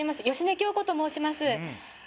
芳根京子と申します